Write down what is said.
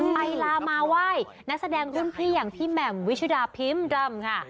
ไปลามาไหว้นักแสดงรุ่นพี่อย่างพี่แหม่มวิชุดาพิมพ์ดำค่ะ